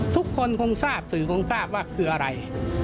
ทุกคนคงทราบสื่อคงทราบว่าคืออะไร